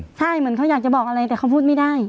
ใช่เหมือนเขาอยากจะบอกอะไรแต่เขาพูดไม่ได้